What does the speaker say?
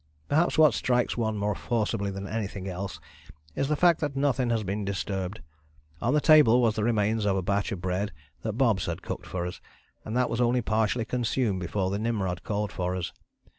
Perhaps what strikes one more forcibly than anything else is the fact that nothing has been disturbed. On the table was the remains of a batch of bread that Bobs had cooked for us and that was only partially consumed before the Nimrod called for us.